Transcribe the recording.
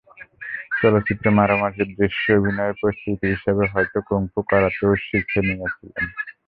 চলচ্চিত্রে মারামারির দৃশ্যে অভিনয়ের প্রস্তুতি হিসেবে হয়তো কুংফু কারাতেও শিখে নিয়েছিলেন।